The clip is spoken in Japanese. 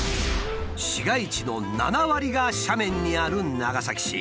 市街地の７割が斜面にある長崎市。